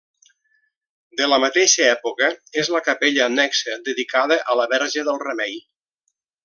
De la mateixa època és la capella annexa dedicada a la verge del Remei.